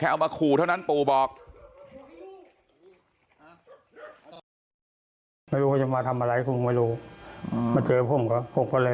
แล้วทำไมตั้งใจทำร้ายเค้ามาขู่เท่านั้นปู่บอก